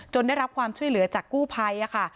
จนได้รับความช่วยเหลือจากกู้ไพร